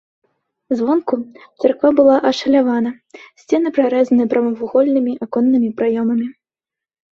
Звонку царква была ашалявана, сцены прарэзаны прамавугольнымі аконнымі праёмамі.